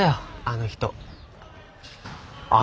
あの人？